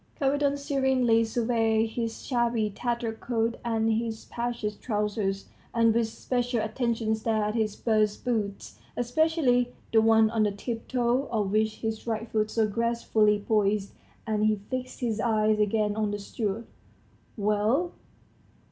Kapiton serenely surveyed his shabby, tattered coat and his patched trousers, and with special attention stared at his burst boots, especially the one on the tiptoe of which his right foot so gracefully poised, and he fixed his eyes again on the steward. "Well?"